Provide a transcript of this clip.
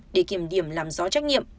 để kiểm điểm làm gió trách nhiệm